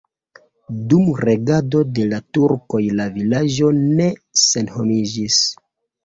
Dum regado de la turkoj la vilaĝo ne senhomiĝis.